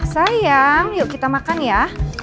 sayang yuk kita makan ya